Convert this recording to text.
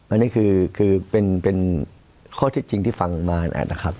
อันนี้คือเป็นข้อเท็จจริงที่ฟังมานะครับ